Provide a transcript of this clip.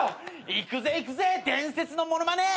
いくぜいくぜ伝説の物まね。